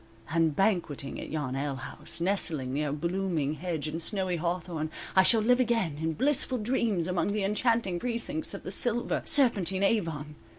And banqueting at yon alehouse, Nestling near blooming hedge and snowy Hawthorn, I shall live again In blissful dreams among the enchanting Precincts of the silver, serpentine Avon.